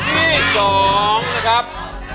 มูลค่า